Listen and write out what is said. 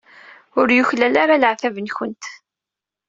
Ur yuklal ara leɛtab-nwent.